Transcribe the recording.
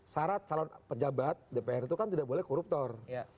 syarat calon pejabat dpr itu kan tidak boleh koruptor